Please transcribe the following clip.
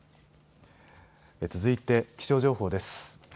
続いて気象情報です。